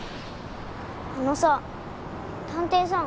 あのさ探偵さん。